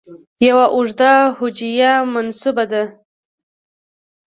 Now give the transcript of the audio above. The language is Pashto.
یو اوږده هجویه منسوبه ده.